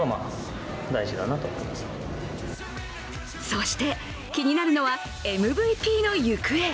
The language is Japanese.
そして、気になるのはＭＶＰの行方。